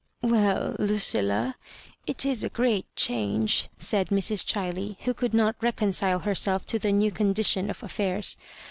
" Well, Lucilla, it is a great change," said Mrs. Ghiley, who could not reconcile herself to the new condition of affairs.